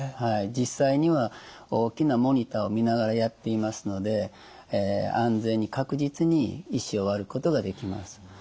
実際には大きなモニターを見ながらやっていますので安全に確実に石を割ることができます。